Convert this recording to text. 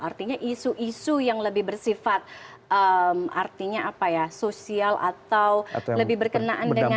artinya isu isu yang lebih bersifat artinya apa ya sosial atau lebih berkenaan dengan